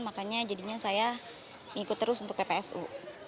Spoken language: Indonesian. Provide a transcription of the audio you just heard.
makanya jadinya saya ngikut terus untuk ppsu